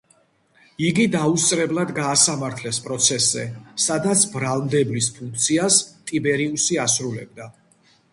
იგი დაუსწრებლად გაასამართლეს პროცესზე, სადაც ბრალმდებლის ფუნქციას ტიბერიუსი ასრულებდა.